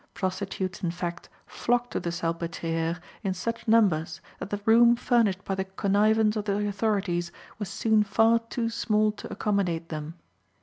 Prostitutes, in fact, flocked to the Salpétrière in such numbers that the room furnished by the connivance of the authorities was soon far too small to accommodate them.